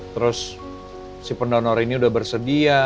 terus si pendonor ini udah bersedia